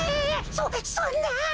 そそんな。